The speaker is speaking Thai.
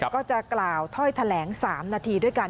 ก็จะกล่าวถ้อยแถลง๓นาทีด้วยกัน